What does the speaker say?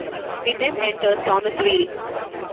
It then enters Thomasville.